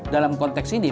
dalam konteks ini